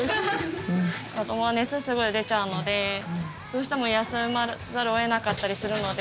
熱、すぐ出ちゃうので、どうしても休まざるを得なかったりするので。